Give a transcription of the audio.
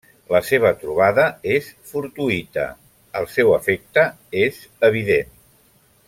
La seva trobada és fortuïta, el seu afecte és evident.